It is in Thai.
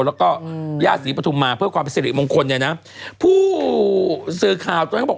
แล้วก็ย่าศรีปฐุมมาเพื่อความเป็นสิริมงคลเนี่ยนะผู้สื่อข่าวตอนนั้นเขาบอก